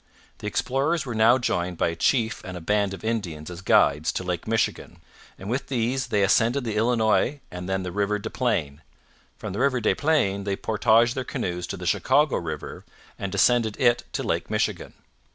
The explorers were now joined by a chief and a band of Indians as guides to Lake Michigan, and with these they ascended the Illinois and then the river Des Plaines. From the river Des Plaines they portaged their canoes to the Chicago river and descended it to Lake Michigan.